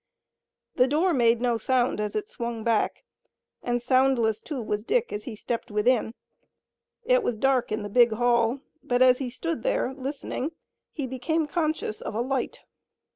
The door made no sound as it swung back, and soundless, too, was Dick as he stepped within. It was dark in the big hall, but as he stood there, listening, he became conscious of a light.